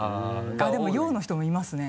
でも陽の人もいますね。